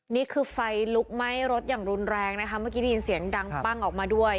นี่คือไฟลุกไหม้รถอย่างรุนแรงนะคะเมื่อกี้ได้ยินเสียงดังปั้งออกมาด้วย